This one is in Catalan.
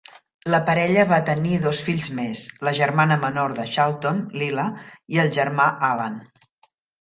La parella va tenir dos fills més, la germana menor de Charlton, Lilla, i el germà Alan.